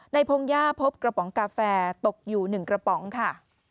พงหญ้าพบกระป๋องกาแฟตกอยู่๑กระป๋องค่ะ